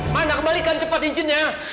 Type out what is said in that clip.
mana kembalikan cepat cincinnya